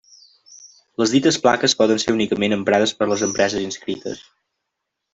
Les dites plaques poden ser únicament emprades per les empreses inscrites.